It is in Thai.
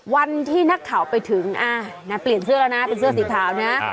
วันที่นักข่าวไปถึงเปลี่ยนเสื้อแล้วนะเป็นเสื้อสีขาวนะ